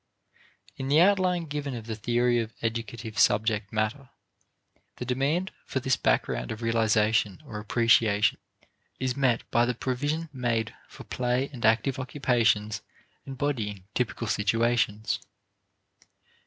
In the outline given of the theory of educative subject matter, the demand for this background of realization or appreciation is met by the provision made for play and active occupations embodying typical situations.